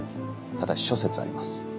ただし諸説あります。